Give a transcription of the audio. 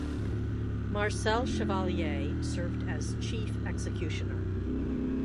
Marcel Chevalier served as chief executioner.